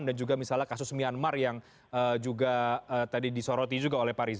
dan juga misalnya kasus myanmar yang juga tadi disoroti juga oleh pak riza